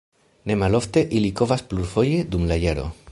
Ne malofte ili kovas plurfoje dum la jaro.